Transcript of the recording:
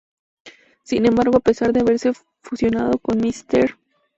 Sin embargo, a pesar de haberse fusionado con Mr.